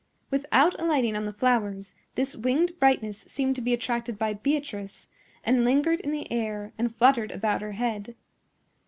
Without alighting on the flowers, this winged brightness seemed to be attracted by Beatrice, and lingered in the air and fluttered about her head.